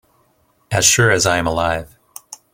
As sure as I am alive